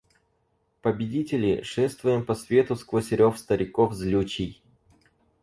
Победители, шествуем по свету сквозь рев стариков злючий.